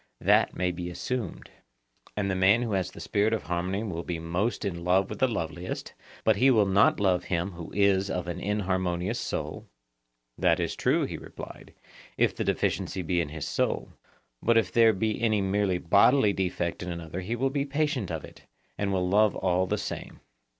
That may be assumed. And the man who has the spirit of harmony will be most in love with the loveliest; but he will not love him who is of an inharmonious soul? That is true, he replied, if the deficiency be in his soul; but if there be any merely bodily defect in another he will be patient of it, and will love all the same.